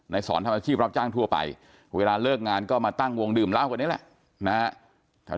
สอนทำอาชีพรับจ้างทั่วไปเวลาเลิกงานก็มาตั้งวงดื่มเหล้ากันนี่แหละนะฮะ